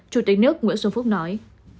chủ tịch nước nguyễn xuân phúc nói